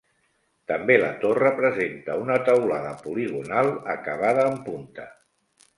També la torre presenta una teulada poligonal acabada en punta.